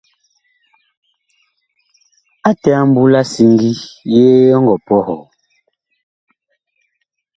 Ate a mbu la siŋgi, yee ɔ ngɔ pɔhɔɔ ?